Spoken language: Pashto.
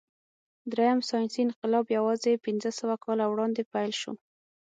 درېیم ساینسي انقلاب یواځې پنځهسوه کاله وړاندې پیل شو.